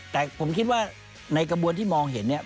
แต่ผมคิดว่าในกระบวนที่มองเห็นเนี่ย